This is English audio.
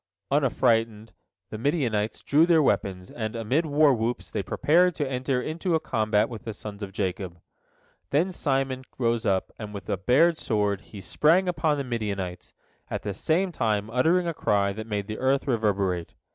Unaffrighted, the Midianites drew their weapons, and, amid war whoops, they prepared to enter into a combat with the sons of Jacob. Then Simon rose up, and with bared sword he sprang upon the Midianites, at the same time uttering a cry that made the earth reverberate.